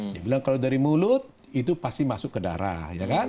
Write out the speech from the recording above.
dia bilang kalau dari mulut itu pasti masuk ke darah ya kan